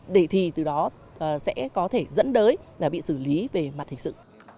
để thì từ đó sẽ có thể dẫn đới là bị xử lý về mặt hình sự